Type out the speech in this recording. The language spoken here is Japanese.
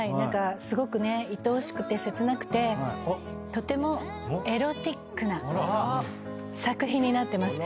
すごくいとおしくて切なくてとてもエロティックな作品になってます。